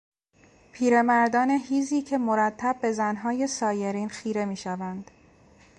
پیرمردان هیزی که مرتب به زنهای سایرین خیره میشوند